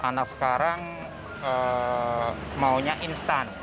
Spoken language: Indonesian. karena sekarang maunya instan